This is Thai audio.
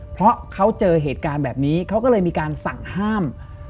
เพราะเขาเจอเหตุการณ์แบบนี้เขาก็เลยมีการสั่งห้าม